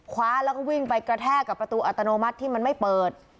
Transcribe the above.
คว้าแล้วก็วิ่งไปกระแทกกับประตูอัตโนมัติที่มันไม่เปิด